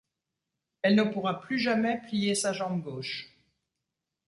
Elle ne pourra plus jamais plier sa jambe gauche.